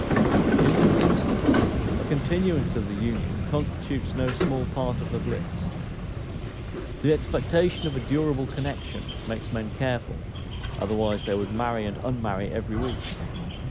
In this instance a continuance of the union constitutes no small part of the bliss. The expectation of a durable connection makes men careful, otherwise they would marry and unmarry every week.